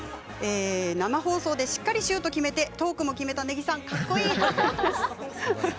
生放送でしっかりシュートを決めてトークも決めた根木さんかっこいい！ありがとうございます。